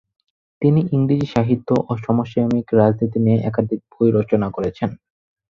তিনি ইংরেজি সাহিত্য ও সমসাময়িক রাজনীতি নিয়ে একাধিক বই রচনা করেছেন।